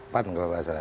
pan kalau saya salah